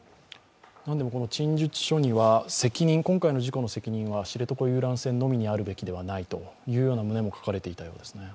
陳述書には今回の事故の責任は知床遊覧船のみにあるべきではないという旨も書かれていたようですね。